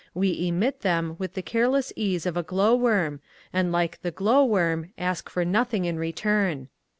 We emit them with the careless ease of a glow worm, and like the glow worm ask for nothing in return.